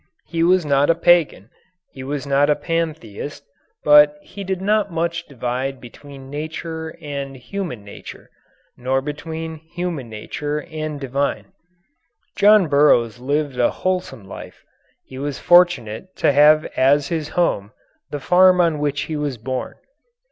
He was not pagan; he was not pantheist; but he did not much divide between nature and human nature, nor between human nature and divine. John Burroughs lived a wholesome life. He was fortunate to have as his home the farm on which he was born.